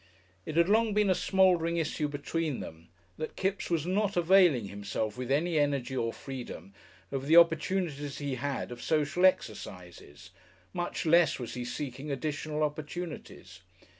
It had long been a smouldering issue between them that Kipps was not availing himself with any energy or freedom of the opportunities he had of social exercises, much less was he seeking additional opportunities.